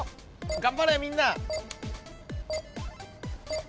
頑張れみんな！